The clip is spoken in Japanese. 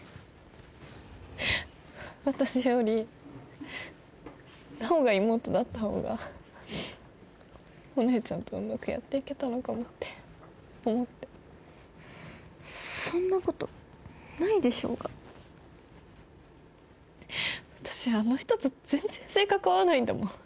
私より奈央が妹だった方がお姉ちゃんとうまくやっていけたのかもって思ってそんなことないでしょうが私あの人と全然性格合わないんだもん